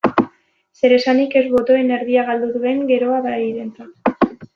Zeresanik ez botoen erdia galdu duen Geroa Bairentzat.